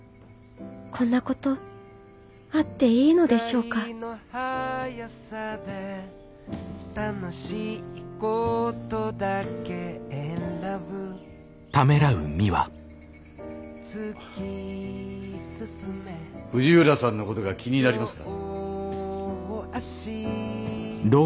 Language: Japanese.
こんなことあっていいのでしょうか藤浦さんのことが気になりますか？